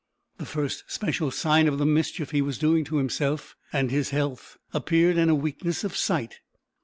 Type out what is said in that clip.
The first special sign of the mischief he was doing to himself and his health appeared in a weakness of sight.